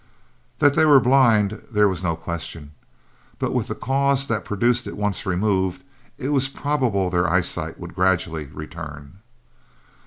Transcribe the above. That they were blind there was no question, but with the causes that produced it once removed, it was probable their eyesight would gradually return.